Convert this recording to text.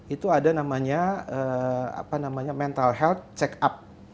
itu ada namanya mental health check up